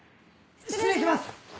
失礼します！